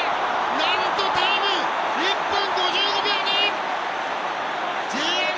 なんとタイム１分５５秒２！